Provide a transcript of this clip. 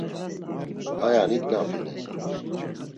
Aya nignapinen.